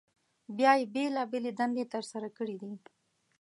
بیا یې بېلابېلې دندې تر سره کړي دي.